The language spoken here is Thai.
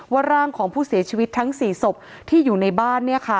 ร่างของผู้เสียชีวิตทั้ง๔ศพที่อยู่ในบ้าน